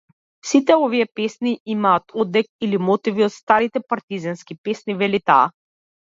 Сите овие песни имаат одек или мотиви од старите партизански песни, вели таа.